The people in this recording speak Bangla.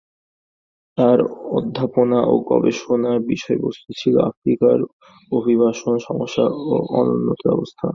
তার অধ্যাপনা ও গবেষণার বিষয়বস্তু ছিল আফ্রিকার অভিবাসন সমস্যা ও অনুন্নত ব্যবস্থা।